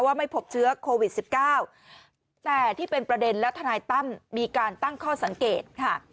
ไม่พบเชื้อโควิดสิบเก้าแต่ที่เป็นประเด็นและทนายตั้มมีการตั้งข้อสังเกตค่ะ